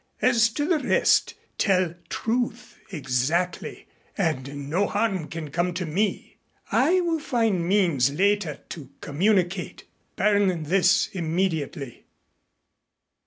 As to the rest tell truth exactly and no harm can come to me. I will find means later to communicate. Burn this immediately.